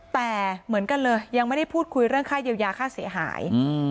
แต่เหมือนกันเลยยังไม่ได้พูดคุยเรื่องค่าเยียวยาค่าเสียหาย